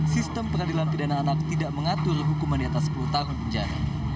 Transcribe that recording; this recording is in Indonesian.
sistem peradilan pidana anak tidak mengatur hukuman di atas sepuluh tahun penjara